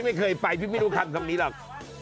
ไม่เคยไปไม่รู้คำนี้หรอก